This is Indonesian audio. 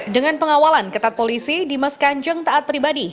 dengan pengawalan ketat polisi dimas kanjeng taat pribadi